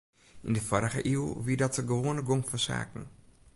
Yn de foarrige iuw wie dat de gewoane gong fan saken.